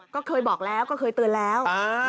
ก็เคยบอกแล้วก็เคยเตือนแล้ว